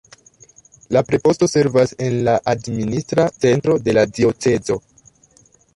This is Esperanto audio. La preposto servas en la administra centro de la diocezo.